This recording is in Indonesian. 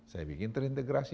saya bikin terintegrasi